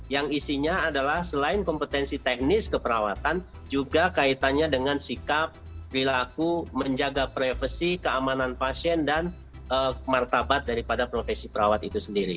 yang isinya adalah selain kompetensi teknis keperawatan juga kaitannya dengan sikap perilaku menjaga privasi keamanan pasien dan martabat daripada profesi perawat itu sendiri